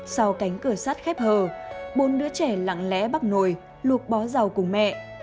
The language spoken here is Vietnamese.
sau cánh cửa sắt khép hờ bốn đứa trẻ lặng lẽ bắt nồi luộc bó rau cùng mẹ